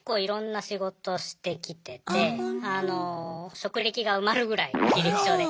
職歴が埋まるぐらい履歴書で。